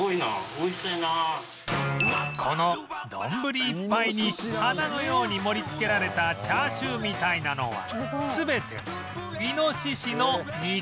この丼いっぱいに花のように盛り付けられたチャーシューみたいなのは全てイノシシの肉